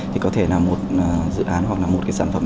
thì có thể là một dự án hoặc là một cái sản phẩm